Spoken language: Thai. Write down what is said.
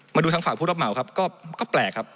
มาดูทางฝั่งผู้รับเหมาครับก็แปลกครับ